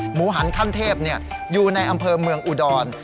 หันขั้นเทพอยู่ในอำเภอเมืองอุดร